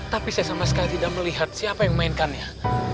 tapi saya sama sekali tidak melihat siapa yang memainkannya